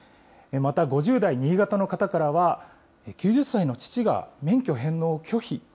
また５０代新潟の方からは、９０歳の父が免許返納を拒否。